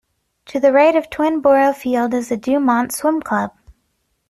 To the right of Twin Boro Field is the Dumont Swim Club.